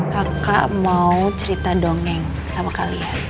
kakak mau cerita dongeng sama kalian